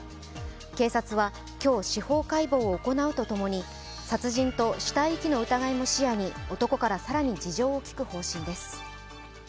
警察は今日、司法解剖を行うとともに、殺人と死体遺棄の疑いも視野に男から更に事情を聴く方針です。